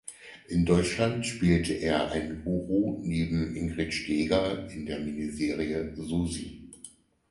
In Deutschland spielte er einen Guru neben Ingrid Steeger in der Miniserie "Susi".